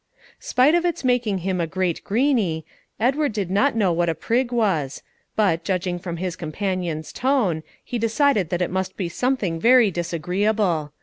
Spite of its making him a great greeney, Edward did not know what a prig was; but, judging from his companion's tone, he decided that it must be something very disagreeable.